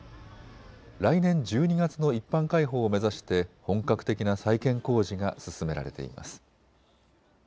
来年１２月の一般開放を目指して本格的な再建工事が進められています。